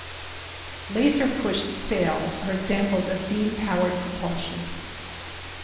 Laser-pushed sails are examples of beam-powered propulsion.